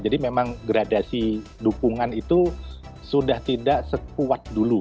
jadi memang gradasi dukungan itu sudah tidak sekuat dulu